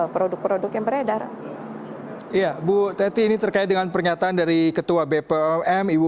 produk produk yang beredar iya bu teti ini terkait dengan pernyataan dari ketua bpom ibu